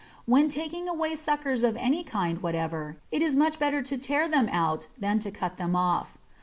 When taking away suckers of any kind whatever, it is much better to tear them out than to cut them off.